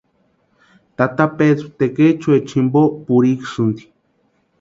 Tata Pedru tekechuecha jimpo purhikusïnti.